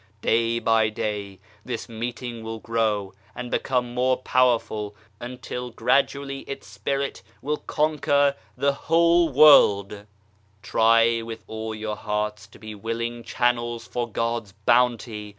Day by day this meeting will grow and become more powerful until gradually its Spirit will conquer the whole world 1 TWO KINDS OF LIGHT 61 Try witji all your hearts to be willing channels for God's Bounty.